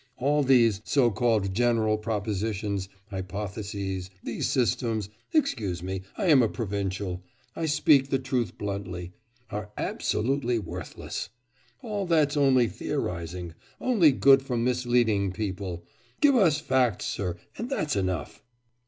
all these, so called general propositions, hypotheses, these systems excuse me, I am a provincial, I speak the truth bluntly are absolutely worthless. All that's only theorising only good for misleading people. Give us facts, sir, and that's enough!